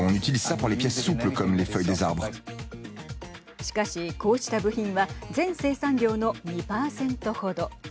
しかし、こうした部品は全生産量の２％程。